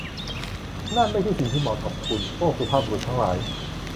ฉันไม่ใช่สิ่งที่เหมาะกับคุณ พวกสุภาพบุรุษทั้งหลาย